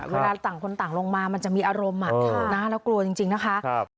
เวลาต่างคนต่างลงมามันจะมีอารมณ์แล้วกลัวจริงนะคะ